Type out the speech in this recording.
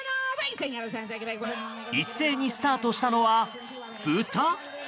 一斉にスタートしたのはブタ？